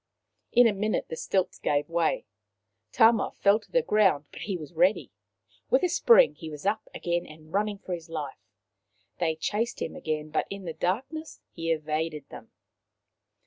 In a minute the stilts gave way. Tama fell to the ground, but he was ready. With a spring he was up again, running for life. They chased him again, but in the darkness he evaded them.